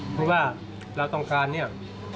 คือว่าเราต้องการเนี่ย